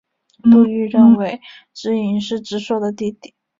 杜预认为知盈是知朔的弟弟。